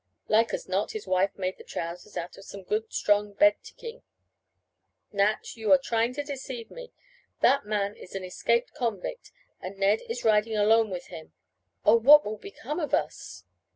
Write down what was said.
Like as not his wife made the trousers out of some good strong bed ticking." "Nat, you are trying to deceive me. That man is an escaped convict, and Ned is riding alone with him Oh, what will become of us?"